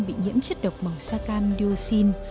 bị nhiễm chất độc màu da cam đưa xin